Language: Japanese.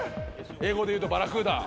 英語で言うとバラクーダ。